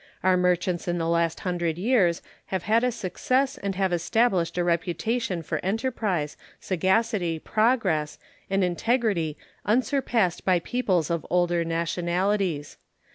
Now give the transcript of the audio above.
Our merchants in the last hundred years have had a success and have established a reputation for enterprise, sagacity, progress, and integrity unsurpassed by peoples of older nationalities.